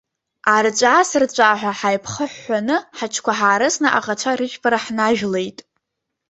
Арҵәаасырҵәааҳәа ҳаиԥхыҳәҳәаны, ҳаҽқәа ҳаарысны аӷацәа рыжәпара ҳнажәлеит.